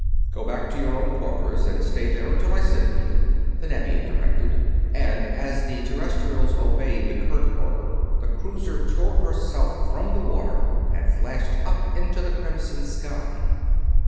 "Go back to your own quarters and stay there until I send for you," the Nevian directed, and as the Terrestrials obeyed the curt orders the cruiser tore herself from the water and flashed up into the crimson sky.